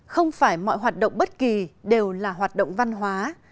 không phải mọi hoạt động bất kỳ đều là hoạt động văn hóa